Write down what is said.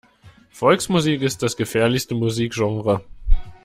Volksmusik ist das gefährlichste Musikgenre.